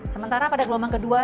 sementara pada gelombang kedua